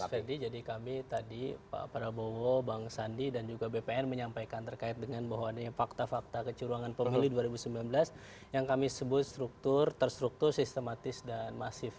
mas ferdi jadi kami tadi pak prabowo bang sandi dan juga bpn menyampaikan terkait dengan bahwa adanya fakta fakta kecurangan pemilih dua ribu sembilan belas yang kami sebut struktur terstruktur sistematis dan masif